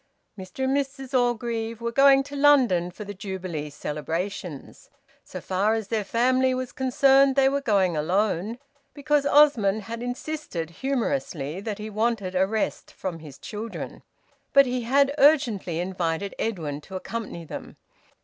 Mr and Mrs Orgreave were going to London for the Jubilee celebrations. So far as their family was concerned, they were going alone, because Osmond had insisted humorously that he wanted a rest from his children. But he had urgently invited Edwin to accompany them.